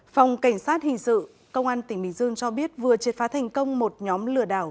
phòng cảnh sát hình sự công an tỉnh bình dương cho biết vừa triệt phá thành công một nhóm lừa đảo